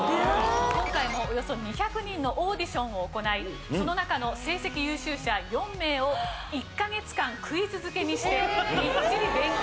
今回もおよそ２００人のオーディションを行いその中の成績優秀者４名を１カ月間クイズ漬けにしてみっちり勉強して頂きました。